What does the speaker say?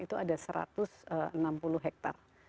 itu ada satu ratus enam puluh hektare